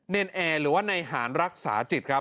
นแอร์หรือว่าในหารรักษาจิตครับ